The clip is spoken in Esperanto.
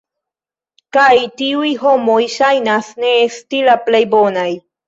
Kaj tiuj homoj ŝajnas ne esti la plej bonaj